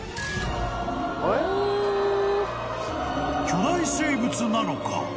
［巨大生物なのか？］